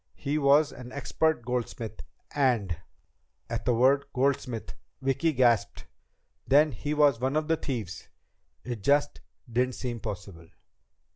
He was an expert goldsmith, and ..." At the word "goldsmith" Vicki gasped. Then he was one of the thieves! It just didn't seem possible!